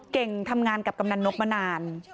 ทำงานกับกำนันนกมานาน